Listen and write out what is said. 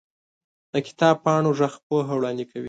د کتاب پاڼو ږغ پوهه وړاندې کوي.